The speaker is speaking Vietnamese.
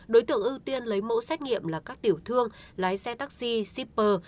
đối tượng ưu tiên lấy mẫu xét nghiệm là các tiểu thương lái xe taxi shipper